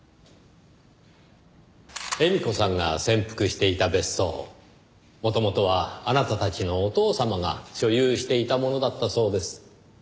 絵美子さんが潜伏していた別荘元々はあなたたちのお父様が所有していたものだったそうです。